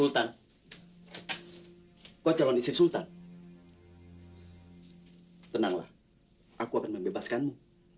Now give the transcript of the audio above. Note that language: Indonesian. tenanglah aku akan membebaskanmu